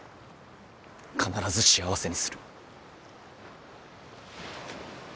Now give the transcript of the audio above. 必ず幸せにする。